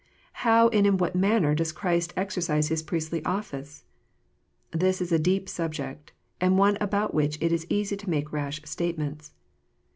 How and in what manner does Christ exercise His priestly office ? This is a deep subject, and one about which it is easy to make rash statements.